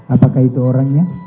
apakah itu orangnya